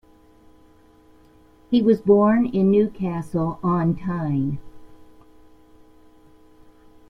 He was born in Newcastle-on-Tyne.